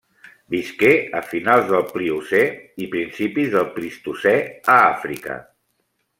Visqué a finals del Pliocè i principis del Plistocè a Àfrica.